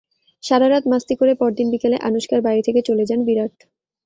সারারাত মাস্তি করে পরদিন বিকেলে আনুশকার বাড়ি থেকে চলে যান বিরাট।